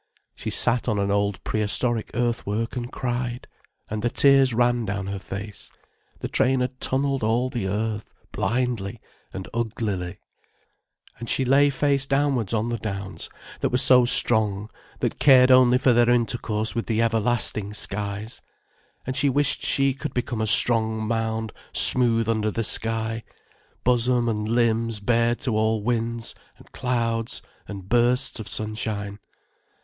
She sat on an old prehistoric earth work and cried, and the tears ran down her face. The train had tunnelled all the earth, blindly, and uglily. And she lay face downwards on the downs, that were so strong, that cared only for their intercourse with the everlasting skies, and she wished she could become a strong mound smooth under the sky, bosom and limbs bared to all winds and clouds and bursts of sunshine.